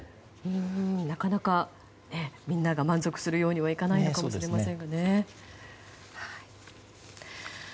なかなか、みんなが満足するようにはいかないかもしれません。